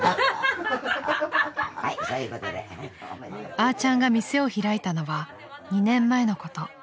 ［あーちゃんが店を開いたのは２年前のこと］